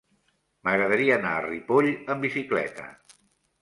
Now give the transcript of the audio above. M'agradaria anar a Ripoll amb bicicleta.